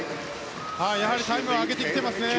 やはりタイムを上げてきてますね。